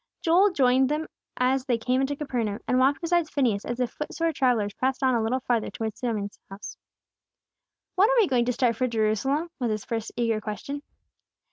Joel joined them as soon as they came into Capernaum, and walked beside Phineas as the footsore travellers pressed on a little farther towards Simon's house. "When are we going to start for Jerusalem?" was his first eager question.